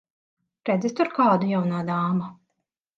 Redzi tur kādu, jaunā dāma?